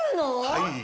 はい。